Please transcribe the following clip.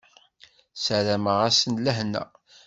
Sarameɣ-asen lehna.